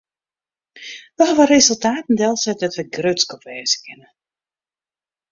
Wy hawwe resultaten delset dêr't wy grutsk op wêze kinne.